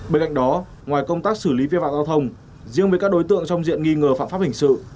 bên cạnh đó ngoài công tác xử lý vi phạm giao thông riêng với các đối tượng trong diện nghi ngờ phạm pháp hình sự